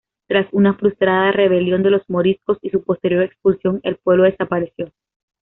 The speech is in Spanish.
Tras una frustrada rebelión de los moriscos, y su posterior expulsión, el pueblo desapareció.